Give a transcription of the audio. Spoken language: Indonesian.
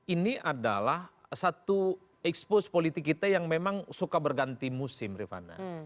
ini adalah satu expose politik kita yang memang suka berganti musim rifana